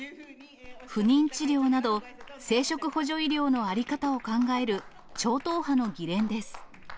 不妊治療など、生殖補助医療の在り方を考える超党派の議連です。